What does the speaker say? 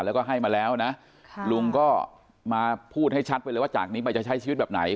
ลุงก็มาพูดให้ชัดเลยว่าจากนี้จะใช้ชีวิตแบบไหน